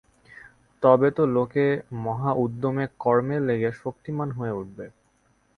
তবে তো লোকে মহা উদ্যমে কর্মে লেগে শক্তিমান হয়ে উঠবে।